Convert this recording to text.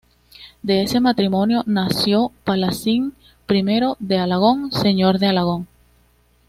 De este matrimonio nació Palacín I de Alagón, señor de Alagón.